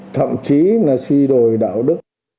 thậm chí là suy đổi đạo đức